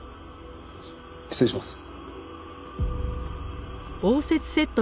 失礼します。